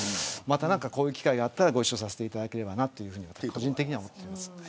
こういう機会があったらご一緒させていただければなと個人的には思います。